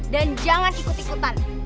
dan jangan ikut ikutan